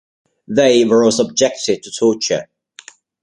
They were all subjected to torture.